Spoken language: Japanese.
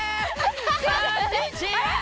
こんにちはー！